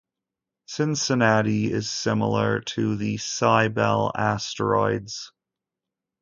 Cincinnati is similar to the Cybele asteroids.